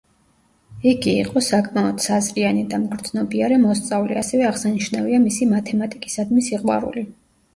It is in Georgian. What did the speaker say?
იგი იყო საკმაოდ საზრიანი და მგრძნობიარე მოსწავლე, ასევე აღსანიშნავია მისი მათემატიკისადმი სიყვარული.